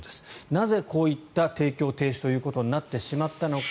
なぜ、こういった提供停止ということになってしまったのか。